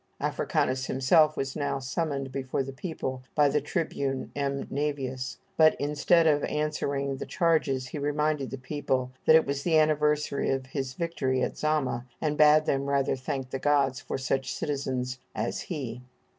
Africanus himself was now summoned before the people by the tribune M. Nævius; but instead of answering the charges he reminded the people that it was the anniversary of his victory at Zama, and bade them rather thank the gods for such citizens as he.